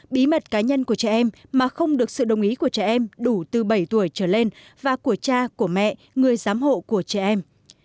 bí mật cá nhân của trẻ em mà không được sự đồng ý của trẻ em đủ từ bảy tuổi trở lên và của cha của mẹ người giám hộ của trẻ em